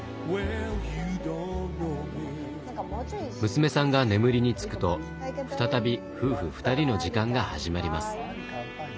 娘さんが眠りにつくと再び夫婦２人の時間が始まります。